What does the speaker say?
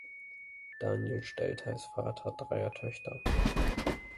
Daniel Stelter ist Vater dreier Töchter.